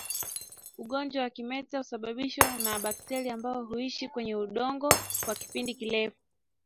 Ugonjwa wa kimeta husababishwa na bakteria ambao huishi kwenye udongo kwa kipindi kirefu